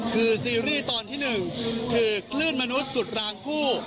คือซีรีส์ตอนที่๑คือคลื่นมนุษย์สุดรางคู่